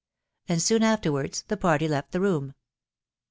and soon afterwards the party left the room.